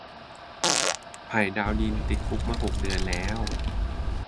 ไผ่ดาวดิน ติดคุกมาหกเดือนแล้ว